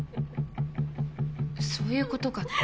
そういうことかって。